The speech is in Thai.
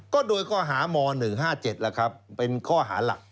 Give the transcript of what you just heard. ก็โดยข้อหาม๑๕๗เป็นข้อหาหลัก